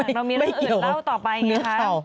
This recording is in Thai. เรามีเรื่องอื่นเล่าต่อไปไงคะ